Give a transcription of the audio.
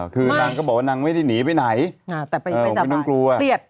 คือนางก็บอกว่านางไม่ได้หนีไปไหนผมไม่ต้องกลัว